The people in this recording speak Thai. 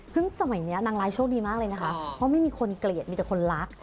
ซึ่งสมัยนี้นางร้ายโชคดีมากเลยนะคะเพราะไม่มีคนเกลียดมีแต่คนรัก